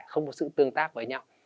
không có sự tương tác với nhau